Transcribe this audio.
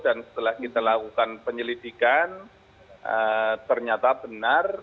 dan setelah kita lakukan penyelidikan ternyata benar